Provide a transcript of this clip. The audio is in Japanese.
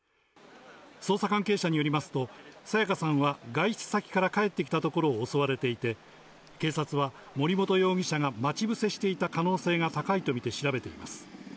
捜査関係者によりますと彩加さんは外出先から帰ってきたところを襲われていて警察は、森本容疑者が待ち伏せしていた可能性が高いとみて調べています。